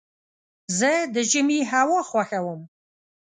زه د ژمي هوا خوښوم.